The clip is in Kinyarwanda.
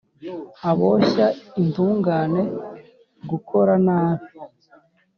aboshya intungane gukora nabi.